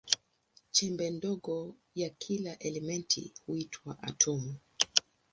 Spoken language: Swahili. Chembe ndogo ya kila elementi huitwa atomu.